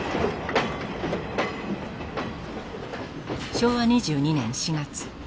昭和２２年４月。